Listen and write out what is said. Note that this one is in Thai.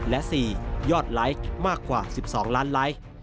และ๔ยอดไลค์มากกว่า๑๒ล้านไลค์